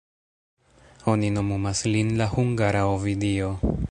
Oni nomumas lin "la hungara Ovidio".